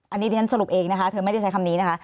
อันนี้ดิฉันสรุปเองนะคะเธอไม่ได้ใช้คำนี้นะคะ